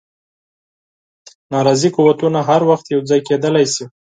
ناراضي قوتونه هر وخت یو ځای کېدلای شي.